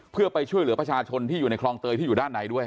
เพื่อไปช่วยเหลือประชาชนที่อยู่ในคลองเตยที่อยู่ด้านในด้วย